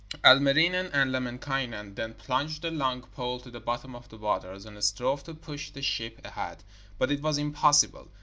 Ilmarinen and Lemminkainen then plunged a long pole to the bottom of the waters, and strove to push the ship ahead, but it was impossible.